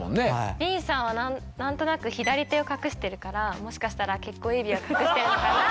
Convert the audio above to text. Ｂさんは何となく左手を隠してるからもしかしたら結婚指輪隠してるのかな？